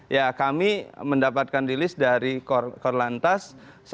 ya kami mendapatkan di list dari kor lantas